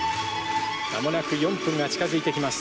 間もなく４分が近づいてきます。